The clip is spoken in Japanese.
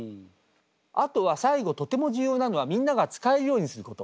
あとは最後とても重要なのはみんなが使えるようにすること。